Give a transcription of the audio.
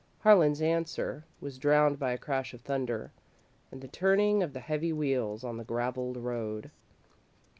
Harlan's answer was drowned by a crash of thunder and the turning of the heavy wheels on the gravelled road.